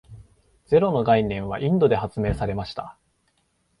ゼロの概念はインドで発明されました。